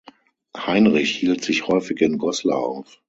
Heinrich hielt sich häufig in Goslar auf.